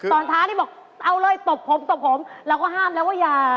ตอนท้านี่บอกเอาเลยตบผมเราก็ห้ามแล้วยา